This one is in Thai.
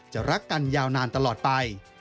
รักกันยาวนานตลอดไป